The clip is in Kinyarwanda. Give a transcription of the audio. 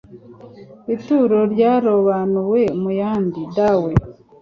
ituro ryarobanuwe mu yandi (dawe